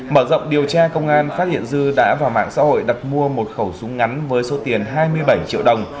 mở rộng điều tra công an phát hiện dư đã vào mạng xã hội đặt mua một khẩu súng ngắn với số tiền hai mươi bảy triệu đồng